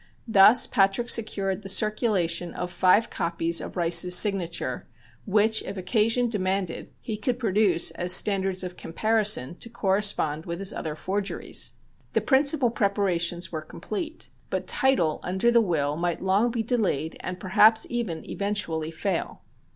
Thus Patrick secured the circulation of five copies of Rice's signature which, if occasion demanded, he could produce as standards of comparison to correspond with his other forgeries. The principal preparations were complete. But title under the will might long be delayed and perhaps even eventually fail.